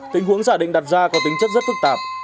tình huống giả định đặt ra có tính chất rất phức tạp